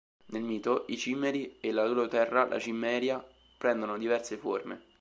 Nel mito, i Cimmeri e la loro terra la Cimmeria, prendono diverse forme.